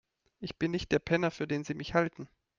Ich bin nicht der Penner, für den Sie mich halten.